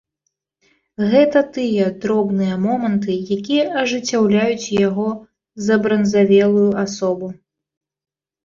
Гэта тыя дробныя моманты, якія ажыўляюць яго забранзавелую асобу.